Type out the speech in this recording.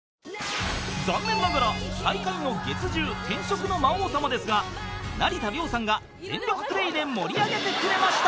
［残念ながら最下位の月１０『転職の魔王様』ですが成田凌さんが全力プレーで盛り上げてくれました］